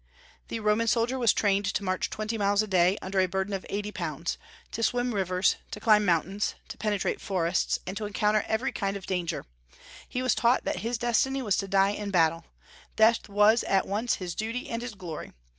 The Roman soldier was trained to march twenty miles a day, under a burden of eighty pounds; to swim rivers, to climb mountains, to penetrate forests, and to encounter every kind of danger. He was taught that his destiny was to die in battle: death was at once his duty and his glory.